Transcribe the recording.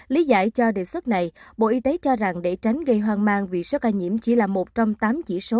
lý giải cho đề xuất này bộ y tế cho rằng để tránh gây hoang mang vì số ca nhiễm chỉ là một trong tám chỉ số